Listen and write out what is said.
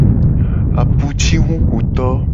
Apujihukuto.